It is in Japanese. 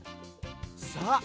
さあ